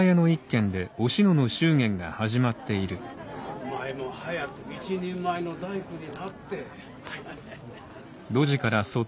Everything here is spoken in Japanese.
お前も早く一人前の大工になって。